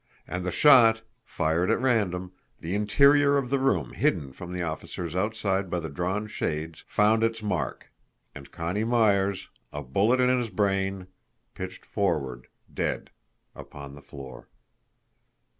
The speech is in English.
And the shot, fired at random, the interior of the room hidden from the officers outside by the drawn shades, found its mark and Connie Myers, a bullet in his brain, pitched forward, dead, upon the floor.